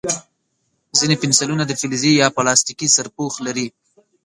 ځینې پنسلونه د فلزي یا پلاستیکي سرپوښ لري.